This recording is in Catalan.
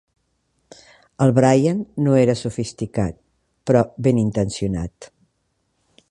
El Brian no era sofisticat, però benintencionat.